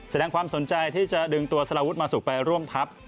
แสดงความสนใจที่จะดึงตัวสลาวุฒิมาสุกไปร่วมทัพ